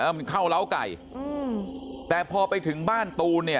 มันเข้าเล้าไก่อืมแต่พอไปถึงบ้านตูนเนี่ย